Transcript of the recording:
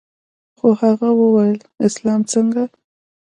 خو هغه وويل اسلام څنگه.